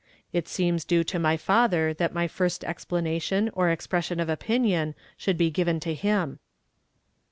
it seems due to my latlier that my fii st exphmation or expression of opinion should be given to him."